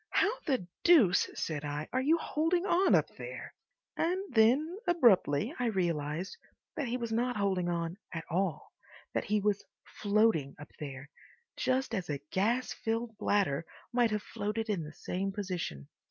"How the deuce," said I, "are you holding on up there?" And then abruptly I realised that he was not holding on at all, that he was floating up there—just as a gas filled bladder might have floated in the same position.